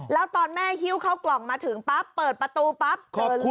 แล้วตอนแม่ฮิ้วเข้ากล่องมาถึงปั๊บเปิดประตูปั๊บ